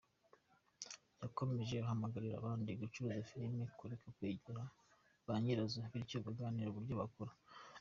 Yakomeje ahamagarira n’abandi bacuruza filime kureka kwegera ba nyirazo bityo baganire uburyo bakora.